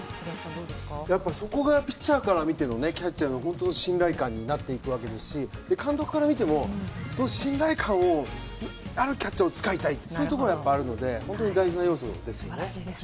それがピッチャーから見てもキャッチャーの本当の信頼感になっていくわけですし、監督から見ても信頼感あるキャッチャーを使いたいところはあるので大事な要素ですね。